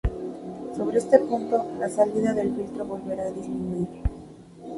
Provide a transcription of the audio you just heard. Sobre este punto, la salida del filtro volverá a disminuir.